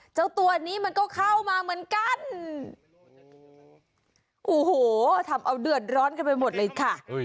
เจ้าตัวนี้มันก็เข้ามาเหมือนกันโอ้โหทำเอาเดือดร้อนกันไปหมดเลยค่ะ